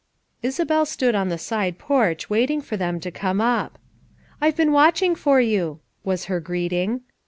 Isabel stood on the side porch waiting for them to come up. "I've been watching for you," was her greeting.